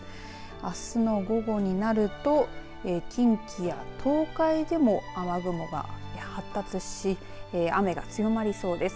あすの午後になると近畿や東海でも雨雲が発達し雨が強まりそうです。